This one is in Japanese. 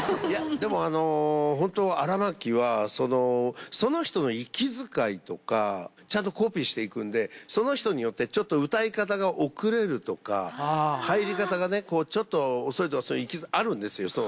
いやでもホント荒牧はその人の息遣いとかちゃんとコピーしていくんでその人によってちょっと歌い方が遅れるとか入り方がねちょっと遅いとかあるんですよ